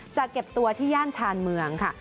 จะเก็บตัวที่ย่านชานเมืองค่ะ